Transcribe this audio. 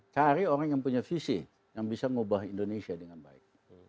cari orang yang punya visi yang bisa mengubah indonesia dengan baik